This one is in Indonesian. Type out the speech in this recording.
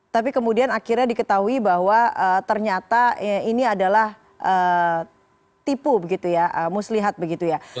tapi kemudian akhirnya diketahui bahwa ternyata ini adalah tipu begitu ya muslihat begitu ya